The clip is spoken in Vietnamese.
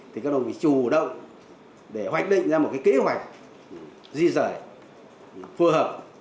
thì các đồng bào bị chủ động để hoạch định ra một kế hoạch di rời phù hợp